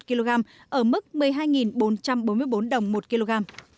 dầu hỏa giảm hai trăm sáu mươi năm đồng một kg ở mức một mươi hai bốn trăm bốn mươi bốn đồng một kg